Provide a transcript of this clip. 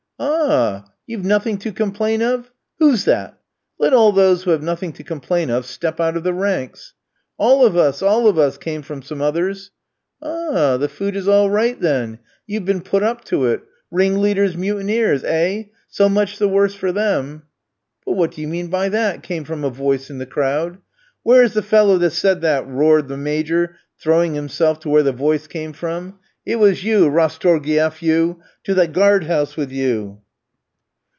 "Ah, you've nothing to complain of! Who's that? Let all those who have nothing to complain of step out of the ranks." "All of us, all of us!" came from some others. "Ah, the food is all right, then? You've been put up to it. Ringleaders, mutineers, eh? So much the worse for them." "But, what do you mean by that?" came from a voice in the crowd. "Where is the fellow that said that?" roared the Major, throwing himself to where the voice came from. "It was you, Rastorgouïef, you; to the guard house with you."